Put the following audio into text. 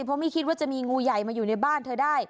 เพราะไม่คิดว่าจะมีงูใหญ่มาอยู่ในบ้านเธอได้